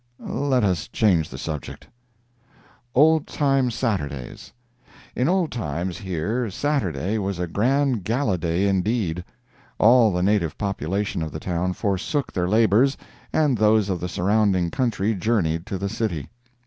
Let us change the subject. OLD TIME SATURDAYS In old times here Saturday was a grand gala day indeed. All the native population of the town forsook their labors, and those of the surrounding country journeyed to the city.